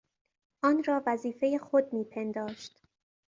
آن را وظیفهی خود میپنداشت.